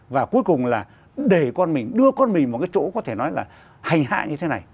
và cuối cùng là để con mình đưa con mình một cái chỗ có thể nói là hành hạ như thế này